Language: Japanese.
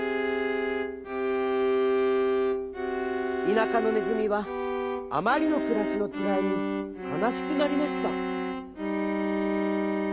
田舎のねずみはあまりのくらしのちがいにかなしくなりました。